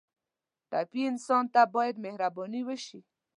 ټپي انسان ته باید مهرباني وشي.